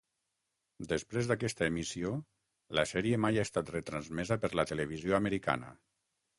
Després d'aquesta emissió, la sèrie mai ha estat retransmesa per la televisió americana.